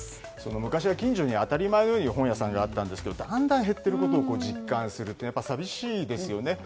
昔は近所に当たり前のように本屋があったんですがだんだん減っていることを実感するというのはやっぱり寂しいですよね。